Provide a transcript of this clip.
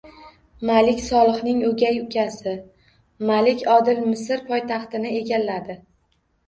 Malik Solihning o‘gay ukasi Malik Odil Misr poytaxtini egalladi